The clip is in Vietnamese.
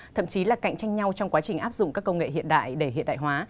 thậm chí là cạnh tranh nhau trong quá trình áp dụng các công nghệ hiện đại để hiện đại hóa